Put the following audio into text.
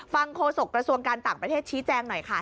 โฆษกระทรวงการต่างประเทศชี้แจงหน่อยค่ะ